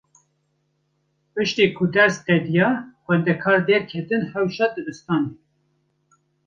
Piştî ku ders qediya, xwendekar derketin hewşa dibistanê.